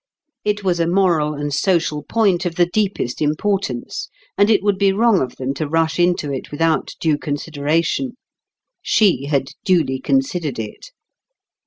It was a moral and social point of the deepest importance; and it would be wrong of them to rush into it without due consideration. She had duly considered it.